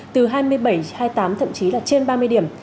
từ hai mươi bảy hai mươi tám thậm chí là trên ba mươi điểm